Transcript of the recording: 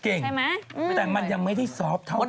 ใช่ไหมแต่มันยังไม่ได้ซอฟต์เท่าไห